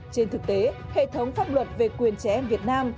trên thực tế hệ thống pháp luật về quyền trẻ em việt nam